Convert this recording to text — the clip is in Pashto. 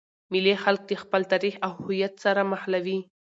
مېلې خلک د خپل تاریخ او هویت سره مښلوي.